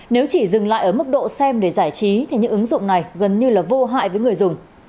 nếu chỉ dừng lại ở mức độ xem để giải trí thì những ứng dụng này gần như là vô hại với người dùng